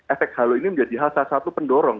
efek hal ini menjadi hal satu satu pendorong